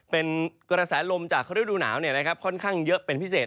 เป็นกระแสลมจากฤดูหนาวค่อนข้างเยอะเป็นพิเศษ